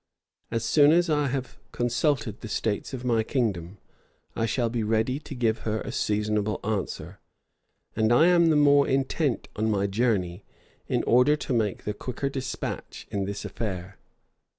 As soon as I have consulted the states of my kingdom, I shall be ready to give her a seasonable answer; and I am the more intent on my journey, in order to make the quicker despatch in this affair.